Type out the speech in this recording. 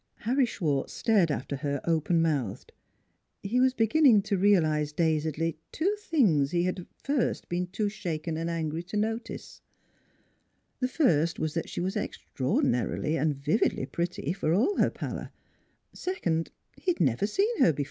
Harry Schwartz stared after her open mouthed. He was beginning to realize dazedly two things he had at first been too shaken and angry to notice : the first was that she was extraor dinarily and vividly pretty for all her pallor; second, that he had never seen her before.